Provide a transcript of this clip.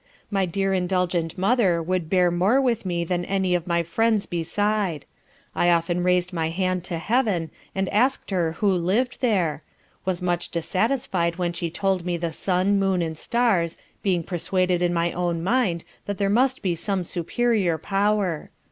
My dear indulgent mother would bear more with me than any of my friends beside. I often raised my hand to heaven, and asked her who lived there? was much dissatisfied when she told me the sun, moon and stars, being persuaded, in my own mind, that there must be some Superior Power.